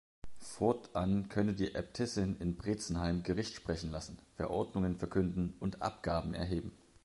Fortan konnte die Äbtissin in Bretzenheim Gericht sprechen lassen, Verordnungen verkünden und Abgaben erheben.